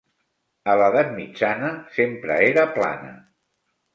A l'Edat mitjana sempre era plana.